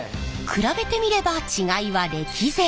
比べてみれば違いは歴然！